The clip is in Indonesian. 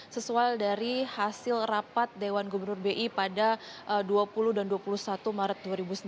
sesuai dari hasil rapat dewan gubernur bi pada dua puluh dan dua puluh satu maret dua ribu sembilan belas